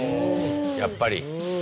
やっぱり。